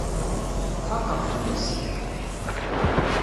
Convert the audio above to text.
Xaqeɣ fell-as.